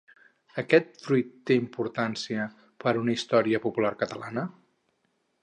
Aquest fruit té importància per una història popular catalana?